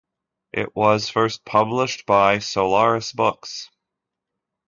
It was first published by Solaris Books.